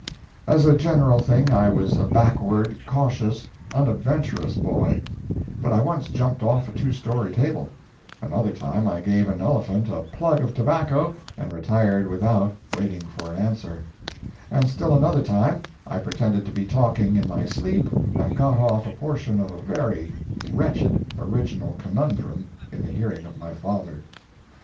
As a general thing I was a backward, cautious, unadventurous boy; but I once jumped off a two story table; another time I gave an elephant a "plug" of tobacco and retired without waiting for an answer; and still another time I pretended to be talking in my sleep, and got off a portion of a very wretched original conundrum in the hearing of my father.